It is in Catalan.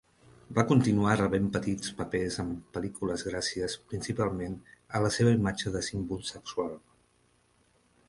Va continuar rebent petits papers en pel·lícules gràcies, principalment, a la seva imatge de símbol sexual.